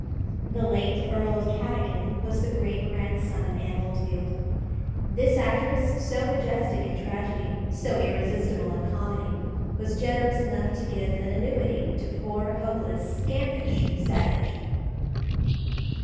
The late Earl of Cadogan was the great grandson of Anne Oldfield. This actress, so majestic in tragedy, so irresistible in comedy, was generous enough to give an annuity to poor, hopeless, scampish Savage.